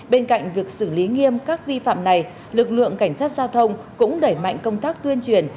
bên cạnh việc xử lý nghiêm các vi phạm này lực lượng cảnh sát giao thông cũng đẩy mạnh công tác tuyên truyền